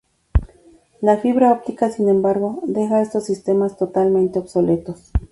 La fibra óptica, sin embargo, deja a estos sistemas totalmente obsoletos.